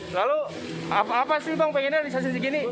lalu apa sih bang pengennya di stasiun sekini